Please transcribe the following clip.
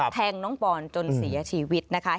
แทงน้องปอนจนเสียชีวิตนะคะ